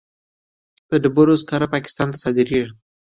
د ډبرو سکاره پاکستان ته صادریږي